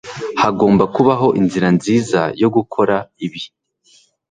Hagomba kubaho inzira nziza yo gukora ibi.